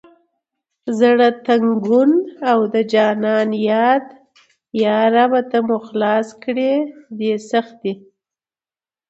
زړه تنګون او د جانان یاد یا ربه ته مو خلاص کړه دې سختي…